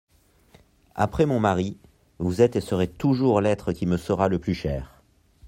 Après mon mari, vous êtes et serez toujours l'être qui me sera le plus cher.